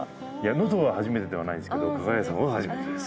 能登は初めてではないんですけど加賀屋さんは初めてです。